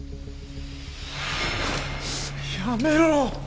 やめろ！